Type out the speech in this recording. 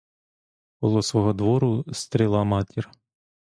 Коло свого двору стріла матір.